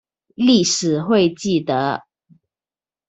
歷史會記得